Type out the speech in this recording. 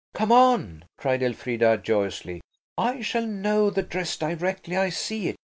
"Come on," cried Elfrida joyously. "I shall know the dress directly I see it.